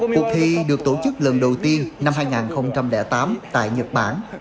cuộc thi được tổ chức lần đầu tiên năm hai nghìn tám tại nhật bản